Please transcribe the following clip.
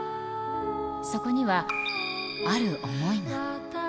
そこには、ある想いが。